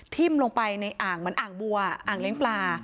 ลงไปในอ่างเหมือนอ่างบัวอ่างเลี้ยงปลา